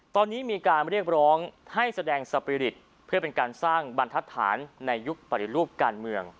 ตอนนี้มีการเรียกร้องให้แสดงสปีริตเพื่อเป็นการสร้างบรรทัศน์ในยุคปฏิรูปการเมือง